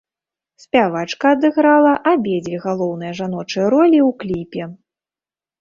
Спявачка адыграла абедзве галоўныя жаночыя ролі ў кліпе.